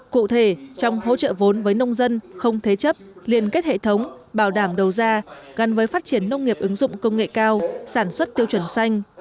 cụ thể trong hỗ trợ vốn với nông dân không thế chấp liên kết hệ thống bảo đảm đầu ra gắn với phát triển nông nghiệp ứng dụng công nghệ cao sản xuất tiêu chuẩn xanh